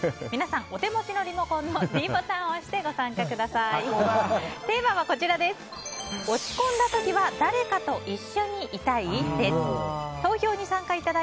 お手持ちのリモコンのｄボタンを押して投票にご参加ください。